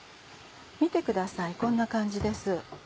見てくださいこんな感じです。